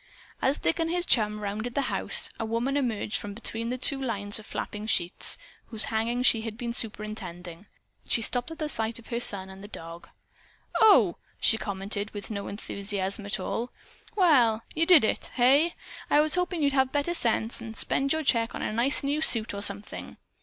As Dick and his chum rounded the house, a woman emerged from between the two lines of flapping sheets, whose hanging she had been superintending. She stopped at sight of her son and the dog. "Oh!" she commented with no enthusiasm at all. "Well, you did it, hey? I was hoping you'd have better sense, and spend your check on a nice new suit or something.